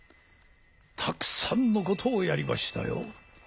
たくさんのことをやりましたよ。